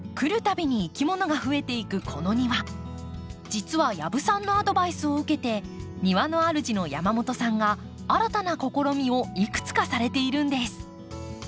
実は養父さんのアドバイスを受けて庭の主の山本さんが新たな試みをいくつかされているんです。